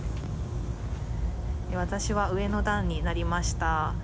私は上の段になりました。